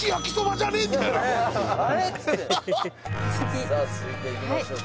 「さあ続いていきましょうか」